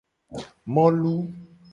Molu.